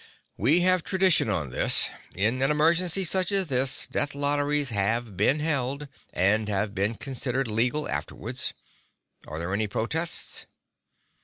"We have tradition on this; in an emergency such as this, death lotteries have been held, and have been considered legal afterwards. Are there any protests?"